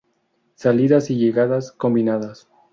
Salidas y llegadas combinadas.